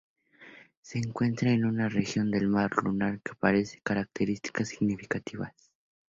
Se encuentra en una región del mar lunar que carece de características significativas.